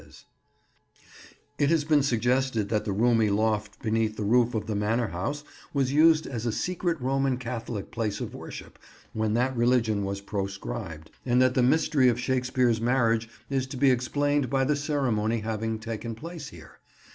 [Picture: Shottery] It has been suggested that the roomy loft beneath the roof of the manor house was used as a secret Roman Catholic place of worship when that religion was proscribed, and that the mystery of Shakespeare's marriage is to be explained by the ceremony having taken place here.